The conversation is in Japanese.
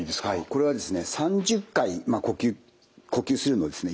これはですね３０回呼吸するのをですね